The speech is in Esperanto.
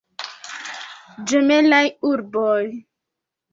Ĝemelaj urboj.